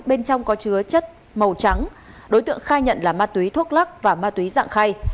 bên trong có chứa chất màu trắng đối tượng khai nhận là ma túy thuốc lắc và ma túy dạng khay